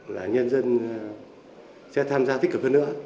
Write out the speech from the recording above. là nhân dân sẽ tham gia tích cực hơn nữa